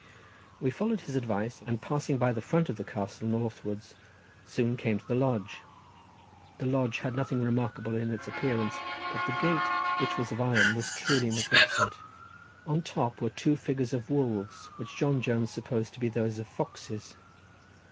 We followed his advice, and passing by the front of the castle northwards, soon came to the lodge. The lodge had nothing remarkable in its appearance, but the gate, which was of iron, was truly magnificent. On the top were two figures of wolves, which John Jones supposed to be those of foxes.